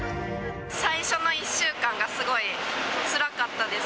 最初の１週間がすごいつらかったです。